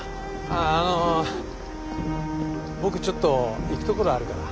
あの僕ちょっと行くところあるから。